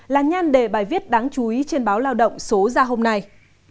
là nhan đề bài viết đáng chú ý trên báo lao động số ra hôm nay